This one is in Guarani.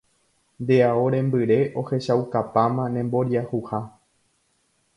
Nde ao rembyre ohechaukapáma nemboriahuha.